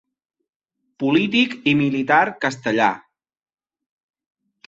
Polític i militar castellà.